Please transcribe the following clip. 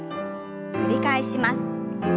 繰り返します。